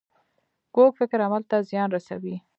کوږ فکر عمل ته زیان رسوي